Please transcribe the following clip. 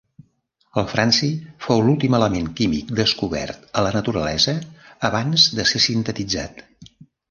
El franci fou l'últim element químic descobert a la naturalesa abans de ser sintetitzat.